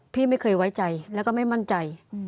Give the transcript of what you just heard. พี่ไม่เคยไว้ใจแล้วก็ไม่มั่นใจ